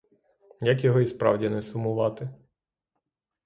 Як його й справді не сумувати?